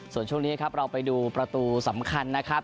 ส่วนช่วงนี้ครับเราไปดูประตูสำคัญนะครับ